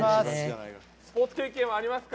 スポーツ経験はありますか？